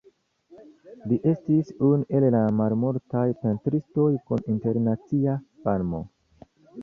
Li estis unu el la malmultaj pentristoj kun internacia famo.